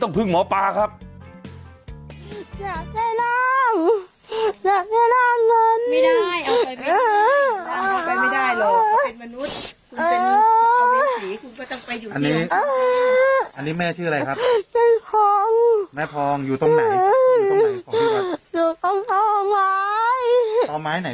ต่อไม้ไหนต่อไม้ที่เขาเอามาไว้ตรงตะลาใช่ไหม